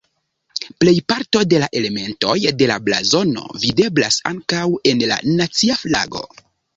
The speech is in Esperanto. Plejparto de la elementoj de la blazono videblas ankaŭ en la nacia flago.